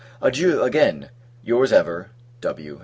Adieu, again! Your's, ever, W.